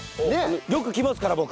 よく来ますから僕。